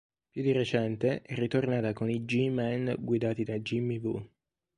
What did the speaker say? Più di recente è ritornata con i G-Men guidati da Jimmy Woo.